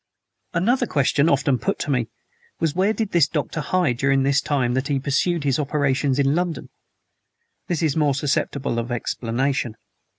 Another question often put to me was: Where did the Doctor hide during the time that he pursued his operations in London? This is more susceptible of explanation.